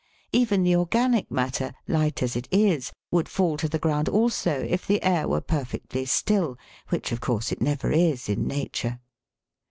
Even the organic matter, light as it is, would fall to the ground also, if the air were perfectly still, which, of course, it never is in Nature.